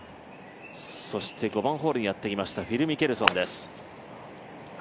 そして５番ホールにやってきましたフィル・ミケルソンです。